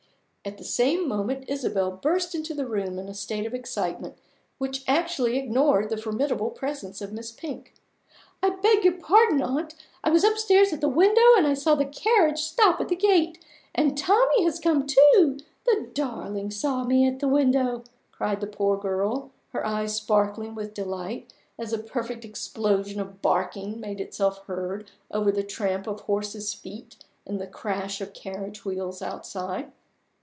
At the same moment, Isabel burst into the room in a state of excitement which actually ignored the formidable presence of Miss Pink. "I beg your pardon, aunt! I was upstairs at the window, and I saw the carriage stop at the gate. And Tommie has come, too! The darling saw me at the window!" cried the poor girl, her eyes sparkling with delight as a perfect explosion of barking made itself heard over the tramp of horses' feet and the crash of carriage wheels outside.